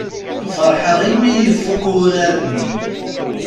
Feṛḥeɣ i mi ifukk wurar-nni.